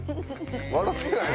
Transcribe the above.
笑ってない？